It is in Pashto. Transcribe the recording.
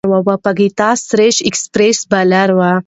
وپاګیتا سريش ایکسپریس بالر وه.